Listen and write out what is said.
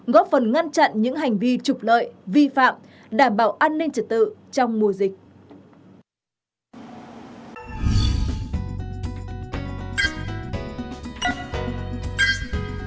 góp phần ngăn chặn những hành vi trục lợi vi phạm đảm bảo an ninh trật tự trong mùa dịch